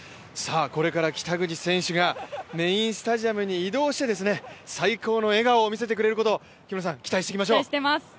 これから北口選手がメインスタジアムに移動して最高の笑顔を見せてくれること、期待していきましょう。